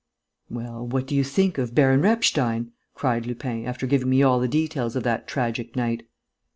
"Well, what do you think of Baron Repstein?" cried Lupin, after giving me all the details of that tragic night.